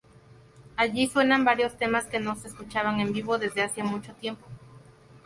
Allí suenan varios temas que no se escuchaban en vivo desde hacía mucho tiempo.